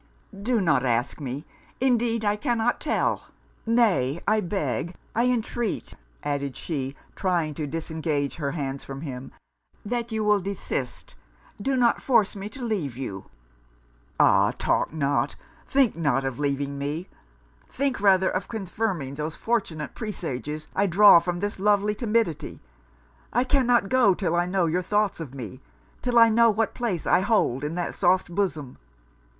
'Do not ask me indeed I cannot tell Nay I beg, I entreat,' added she, trying to disengage her hands from him, 'that you will desist do not force me to leave you.' 'Ah! talk not, think not of leaving me; think rather of confirming those fortunate presages I draw from this lovely timidity. I cannot go till I know your thoughts of me till I know what place I hold in that soft bosom.'